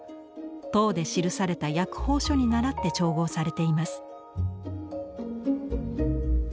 唐で記された薬方書にならって調合されています。